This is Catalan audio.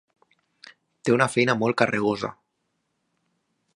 Té una feina molt carregosa.